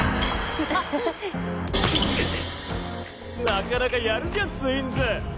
なかなかやるじゃんツインズ。